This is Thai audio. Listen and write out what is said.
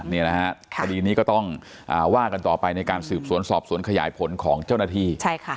นี่นะฮะคดีนี้ก็ต้องว่ากันต่อไปในการสืบสวนสอบสวนขยายผลของเจ้าหน้าที่